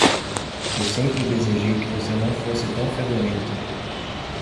Eu sempre desejei que você não fosse tão fedorento.